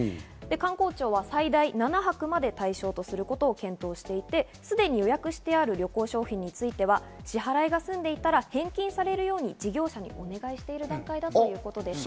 観光庁は最大７泊まで対象とすることを検討していて、すでに予約してある旅行商品については、支払いが済んでいたら、返金されるように事業者にお願いしている段階だということです。